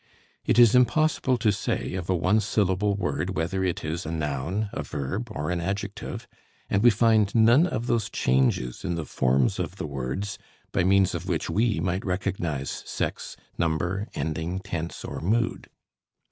It is impossible to say of a one syllable word whether it is a noun, a verb, or an adjective, and we find none of those changes in the forms of the words by means of which we might recognize sex, number, ending, tense or mood.